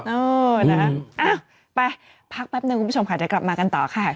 อ้าวไปพักแป๊บนึงคุณผู้ชมค่ะจะกลับมากันต่อค่ะ